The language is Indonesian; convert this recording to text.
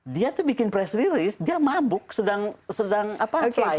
dia tuh bikin press release dia mabuk sedang fly